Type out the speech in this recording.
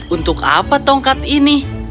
untuk apa tongkat ini